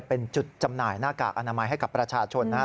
เป็นจุดจำหน่ายหน้ากากอนามัยให้กับประชาชนนะครับ